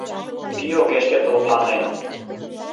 Пий огеш керт лыпланен: